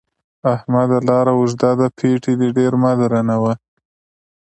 احمده! لاره اوږده ده؛ پېټی دې ډېر مه درنوه.